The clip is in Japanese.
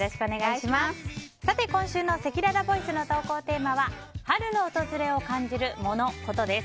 今週のせきららボイスの投稿テーマは春の訪れを感じるモノ・コトです。